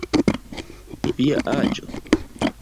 Via aĝo?